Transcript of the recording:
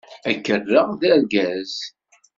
Ad k-rreɣ d argaz.